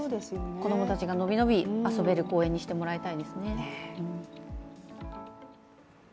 子供たちが伸び伸び遊べる公園にしてもらいたいですね。